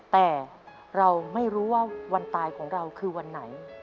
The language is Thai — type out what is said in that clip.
แต่เราไม่รู้ว่าวันตายของเราคือวันไหน